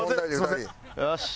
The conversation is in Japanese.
よし！